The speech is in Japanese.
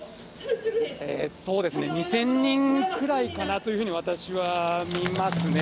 そうですね、２０００人くらいかなというふうに、私は見ますね。